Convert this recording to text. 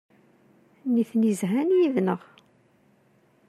Nitni zhan yid-neɣ.